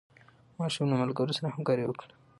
ماشوم له ملګرو سره همکاري وکړه